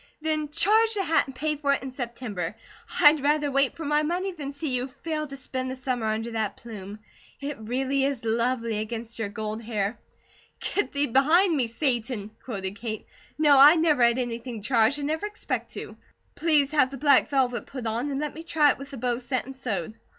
"Then charge the hat and pay for it in September. I'd rather wait for my money than see you fail to spend the summer under that plume. It really is lovely against your gold hair." "'Get thee behind me, Satan,'" quoted Kate. "No. I never had anything charged, and never expect to. Please have the black velvet put on and let me try it with the bows set and sewed."